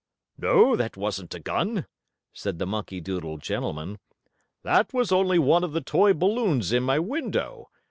"No, that wasn't a gun," said the monkey doodle gentleman. "That was only one of the toy balloons in my window.